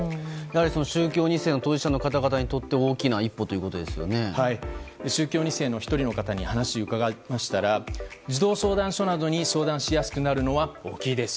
宗教２世の当事者の方々にとっては宗教２世の１人の方に話を伺いましたら児童相談所などに相談しやすくなるのは大きいです。